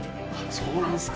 そうなんですか。